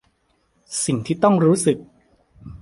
สิ่งที่ต้องรู้สึก